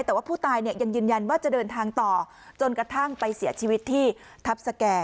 แต่ว่าผู้ตายเนี่ยยังยืนยันว่าจะเดินทางต่อจนกระทั่งไปเสียชีวิตที่ทัพสแก่